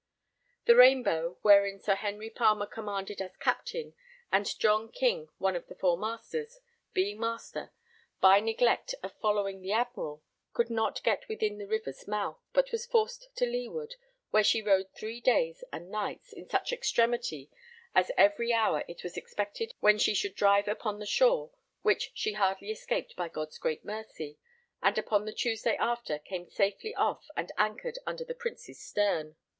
The Rainbow, wherein Sir Henry Palmer commanded as captain, and John King, one of the four Masters, being master, by neglect of following the Admiral, could not get within the river's mouth, but was forced to leeward, where she rode three days and nights in such extremity as every hour it was expected when she should drive upon the shore, which she hardly escaped by God's great mercy, and upon the Tuesday after, came safely off and anchored under the Prince's stern.